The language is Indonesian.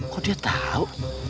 kok dia tahu